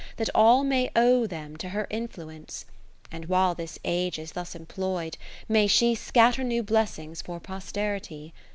That all may owe them to her influence : And while this age is thus employ'd, may she Scatter new blessings for posterity.